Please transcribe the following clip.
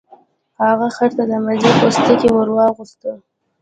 هغه خر ته د زمري پوستکی ور واغوسته.